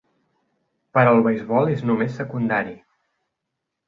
Però el beisbol és només secundari.